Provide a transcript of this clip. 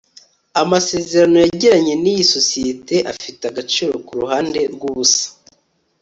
Amasezerano yagiranye niyi sosiyete afite agaciro kuruhande rwubusa